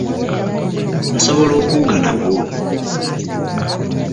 Nsobola okuwuga nagwo.